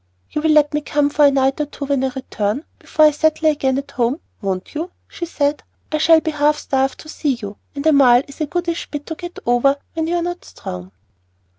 "You will let me come for a night or two when I return, before I settle again at home, won't you?" she said. "I shall be half starved to see you, and a mile is a goodish bit to get over when you're not strong."